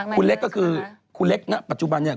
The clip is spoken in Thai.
คุณเล็กก็คือคุณเล็กณปัจจุบันเนี่ย